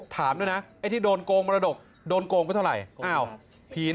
ถามด้วยนะไอ้ที่โดนโกงมรดกโดนโกงไปเท่าไหร่